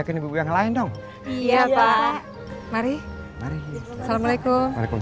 kau lupa ya blessings atas musim monsieurlets pesawat